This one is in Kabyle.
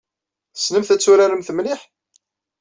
Tessnemt ad turaremt mliḥ?